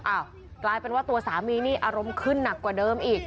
กลายเป็นว่าตัวสามีนี่อารมณ์ขึ้นหนักกว่าเดิมอีก